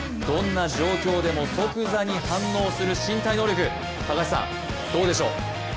どんな状況でも即座に反応する身体能力、どうでしょう。